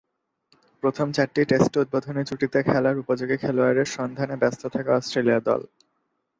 প্রথম চার টেস্টে উদ্বোধনী জুটিতে খেলার উপযোগী খেলোয়াড়ের সন্ধানে ব্যস্ত থাকে অস্ট্রেলিয়া দল।